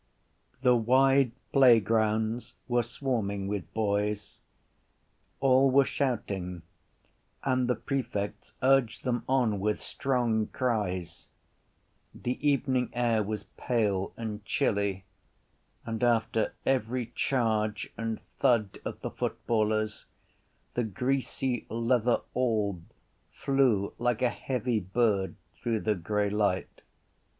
The wide playgrounds were swarming with boys. All were shouting and the prefects urged them on with strong cries. The evening air was pale and chilly and after every charge and thud of the footballers the greasy leather orb flew like a heavy bird through the grey light.